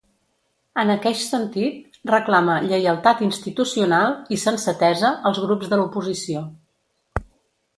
En aqueix sentit, reclama “lleialtat institucional” i “sensatesa” als grups de l’oposició.